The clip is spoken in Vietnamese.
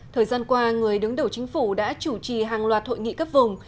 thời gian qua người đứng đầu chính phủ đã chủ trì hàng loạt hội nghị cấp vùng